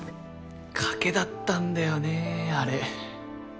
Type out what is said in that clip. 賭けだったんだよねあれ。